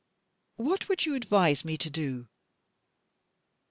"What would you advise me to do?"